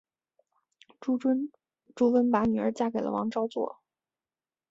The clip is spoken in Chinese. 朱温把女儿嫁给了王昭祚。